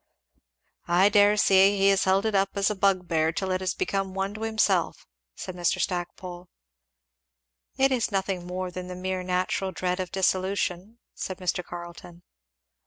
"I dare say he has held it up as a bugbear till it has become one to himself," said Mr. Stackpole. "It is nothing more than the mere natural dread of dissolution," said Mr. Carleton.